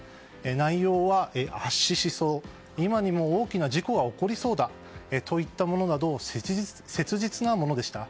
内容は圧死しそう今にも大きな事故が起こりそうだといったものなど切実なものでした。